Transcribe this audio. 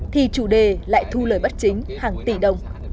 thì chủ đề lại thu lời bất chính hàng tỷ đồng